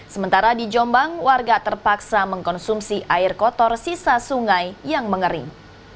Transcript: sementara di jombang warga terpaksa mengkonsumsi air kotor sisa sungai yang mengering